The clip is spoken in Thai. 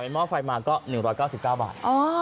๓เป็นหม้อไฟมาก็๑๙๙บาท